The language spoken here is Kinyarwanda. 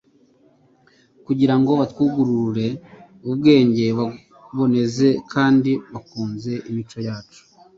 kugira ngo batwurugure ubwenge, baboneze kandi bakuze imico yacu.